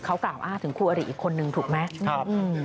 เขากล่าวอ้างถึงคู่อริอีกคนนึงถูกไหม